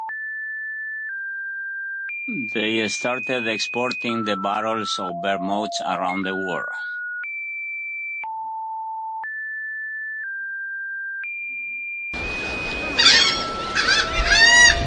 They started exporting the bottles of vermouth around the world.